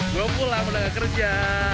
gue pulang udah gak kerja